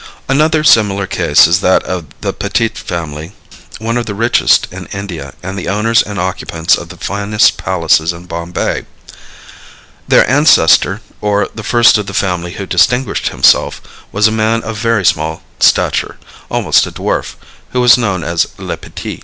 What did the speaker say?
Another similar case is that of the Petit family, one of the richest in India and the owners and occupants of the finest palaces in Bombay. Their ancestor, or the first of the family who distinguished himself, was a man of very small stature, almost a dwarf, who was known as Le Petit.